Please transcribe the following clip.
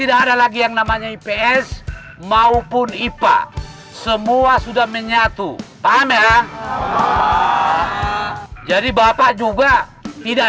tidak ada lagi yang namanya ips maupun ipa semua sudah menyatu pamer jadi bapak juga tidak